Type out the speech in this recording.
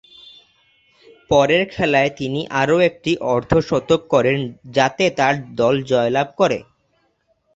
পরের খেলায়ও তিনি আরও একটি অর্ধ-শতক করেন যাতে তার দল জয়লাভ করে।